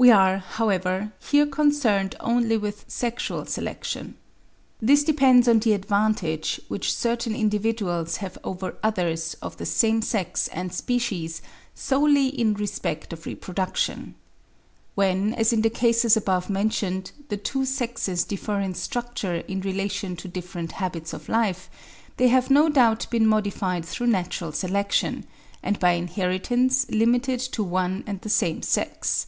We are, however, here concerned only with sexual selection. This depends on the advantage which certain individuals have over others of the same sex and species solely in respect of reproduction. When, as in the cases above mentioned, the two sexes differ in structure in relation to different habits of life, they have no doubt been modified through natural selection, and by inheritance limited to one and the same sex.